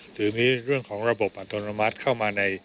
หรือมีเรื่องของระบบอัตโนมัติเข้ามาใน